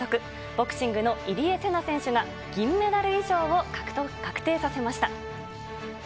ボクシングの入江聖奈選手が銀メダル以上を確定させました。